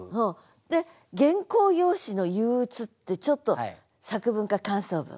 で「原稿用紙の憂鬱」ってちょっと作文か感想文。